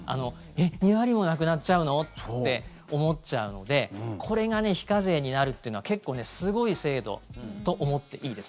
２割もなくなっちゃうの？って思っちゃうのでこれが非課税になるっていうのは結構すごい制度と思っていいです。